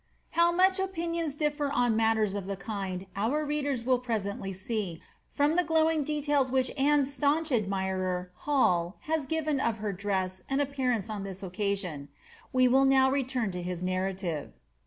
How much opinions difler on matters of the kind our readers will presently see, from the glowing details which Anne's staunch admirer, Hail, has given of her dress and appearance on this occasion. We will now return to his narrative.